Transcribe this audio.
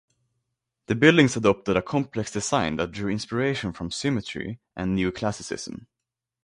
The buildings adopted a complex design that drew inspiration from symmetry and neoclassicism.